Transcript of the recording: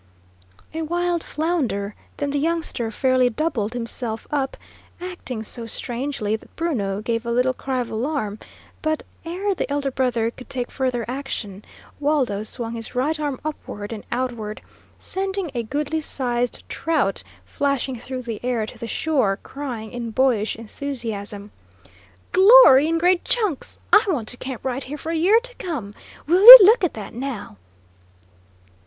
A wild flounder, then the youngster fairly doubled himself up, acting so strangely that Bruno gave a little cry of alarm; but ere the elder brother could take further action, Waldo swung his right arm upward and outward, sending a goodly sized trout flashing through the air to the shore, crying in boyish enthusiasm: "Glory in great chunks! I want to camp right here for a year to come! Will ye look at that now?"